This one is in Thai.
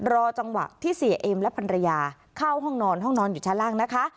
รอจังหวะที่เสียเอ็มและภรรยาเข้าห้องนอนห้องนอนอยู่ชั้นล่างนะคะ